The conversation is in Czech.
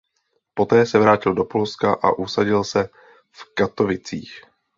Poté se vrátil do Polska a usadil se v Katovicích.